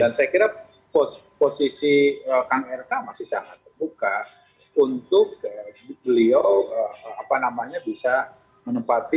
dan saya kira posisi kang rk masih sangat terbuka untuk beliau apa namanya bisa menempati